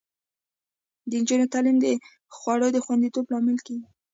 د نجونو تعلیم د خوړو د خوندیتوب لامل کیږي.